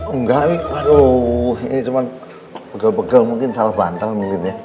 enggak nih aduh ini cuma begel begel mungkin salah bantal mungkin ya